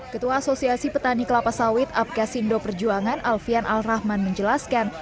ketua asosiasi petani kelapa sawit apkasindo perjuangan alfian al rahman menjelaskan